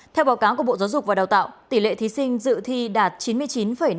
theo báo cáo của bộ giáo dục và đào tạo tỷ lệ thí sinh dự thi đạt chín mươi chín năm mươi